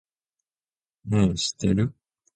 ねぇ、知ってる？